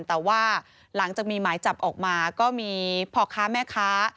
แต่ว่าหลังจากมีหมายจับออกมาก็มีพ่อค้าแม่ค้า